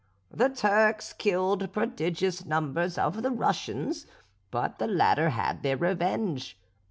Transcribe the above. The Turks killed prodigious numbers of the Russians, but the latter had their revenge.